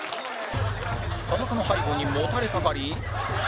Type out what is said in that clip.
田中の背後にもたれかかり